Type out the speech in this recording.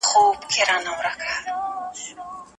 ما هغه ته د تلو اجازه ورنه کړه.